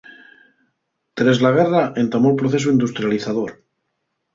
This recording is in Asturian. Tres la guerra entamó'l procesu industrializador.